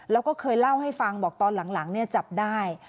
แล้วก็เคยเล่าให้ฟังบอกตอนหลังจับได้